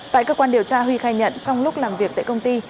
tại cơ quan điều tra huy khai nhận trong lúc làm việc tại công ty